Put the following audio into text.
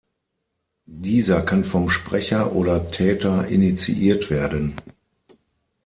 Dieser kann vom Sprecher oder Täter initiiert werden.